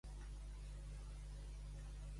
A la Vall, toca't el pardal.